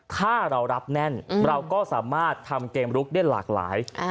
ถ้าเรารับแน่นเราก็สามารถทำเกมลุกได้หลากหลาย